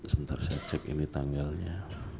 sebentar saya cek ini tanggalnya